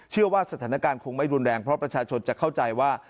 สถานการณ์คงไม่รุนแรงเพราะประชาชนจะเข้าใจว่า